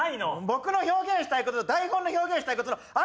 僕の表現したいことと台本の表現したいことの間で迷ってるんだ。